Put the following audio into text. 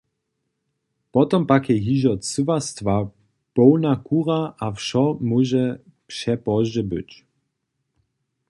Potom pak je hižo cyła stwa połna kura a wšo móže přepozdźe być!